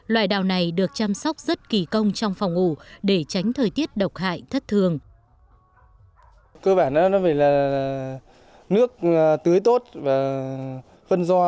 loại đào này được chăm sóc rất kỳ công trong phòng ngủ để tránh thời tiết độc hại thất thường